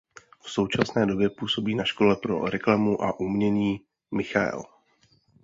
V současné době působí na škole pro reklamu a umění Michael.